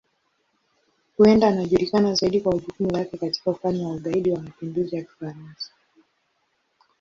Huenda anajulikana zaidi kwa jukumu lake katika Ufalme wa Ugaidi wa Mapinduzi ya Kifaransa.